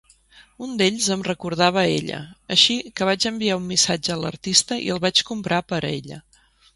Un d'ells em recordava a ella, així que vaig enviar un missatge a l'artista i el vaig comprar per a ella.